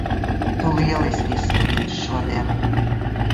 Tu lieliski izskaties šodien!